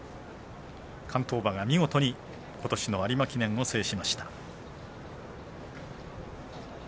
関東馬が見事にことしの有馬記念を制しました。